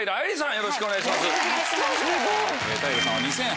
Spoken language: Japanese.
よろしくお願いします。